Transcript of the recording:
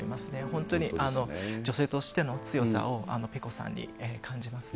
本当に女性としての強さをペコさんに感じますね。